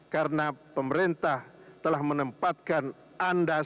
karena pemerintah telah menempatkan anda